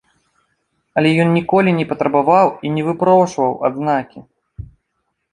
Але ніколі ён не патрабаваў і не выпрошваў адзнакі!